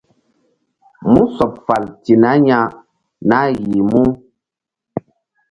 Mú sɔɓ fal ti nah ya nah yih mu.